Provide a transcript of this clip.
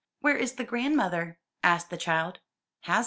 '*Where is the grandmother?" asked the child. "Has none."